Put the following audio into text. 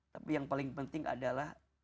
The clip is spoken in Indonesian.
tapi yang paling penting adalah